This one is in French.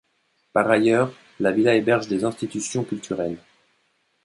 Par ailleurs, la villa héberge des institutions culturelles.